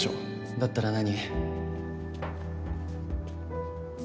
だったら何？